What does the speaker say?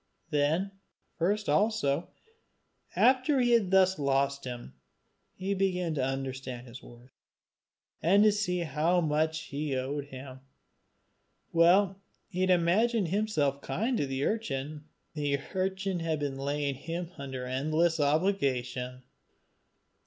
Then first also, after he had thus lost him, he began to understand his worth, and to see how much he owed him. While he had imagined himself kind to the urchin, the urchin had been laying him under endless obligation.